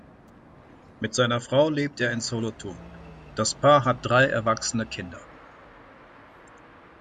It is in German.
Mit seiner Frau lebt er in Solothurn, das Paar hat drei erwachsene Kinder.